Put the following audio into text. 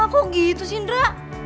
kok gitu sindra